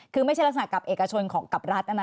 คือไม่ใช่ลักษณะกับเอกชนของกับรัฐนะนะ